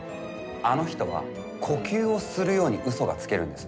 あの人は呼吸をするように嘘がつけるんです。